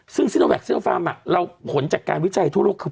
ซึ่งซิโนแวคเสื้อฟาร์มเราผลจากการวิจัยทั่วโลกคือ